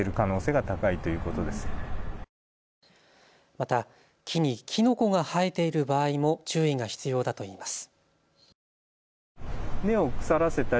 また木にきのこが生えている場合も注意が必要だといいます。